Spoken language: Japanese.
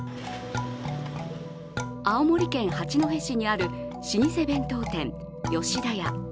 青森県八戸市にある老舗弁当店・吉田屋。